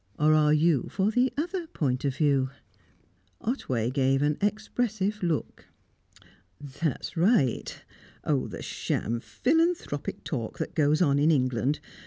Or are you for the other point of view?" Otway gave an expressive look. "That's right. Oh, the sham philanthropic talk that goes on in England!